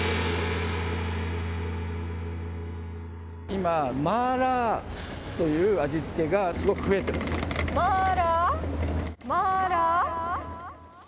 今、マーラーという味付けがすごく増えてるんです。